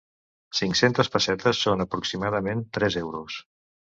Cinc-centes pessetes són aproximadament tres euros.